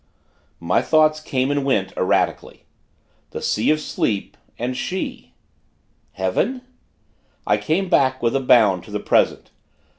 My thoughts came and went, erratically. The Sea of Sleep and she! Heaven.... I came back, with a bound, to the present.